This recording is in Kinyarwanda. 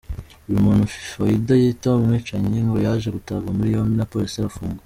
Uyu muntu Faida yita umwicanyi ngo yaje gutabwa muri yombi na Polisi arafungwa.